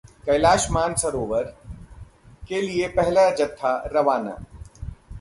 कैलाश मानरोवर के लिए पहला जत्था रवाना